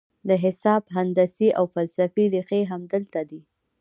د حساب، هندسې او فلسفې رېښې همدلته دي.